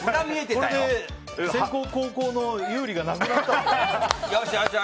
これで先攻・後攻の有利がなくなったよ。